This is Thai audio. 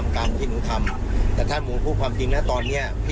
ยอมรับก็ได้ค่ะเขาบอกว่าก็ได้ค่ะ